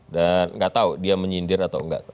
dan gak tau dia menyindir atau enggak